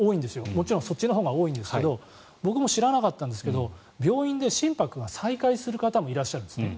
もちろんそっちのほうが多いんですけど僕も知らなかったんですけど病院が心拍が再開する方もいらっしゃるんですね。